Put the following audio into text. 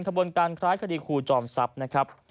ขบวนการคล้ายคดีครูจอมทรัพย์นะครับ